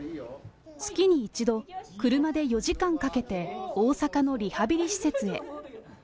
月に１度、車で４時間かけて、大阪のリハビリ施設へ。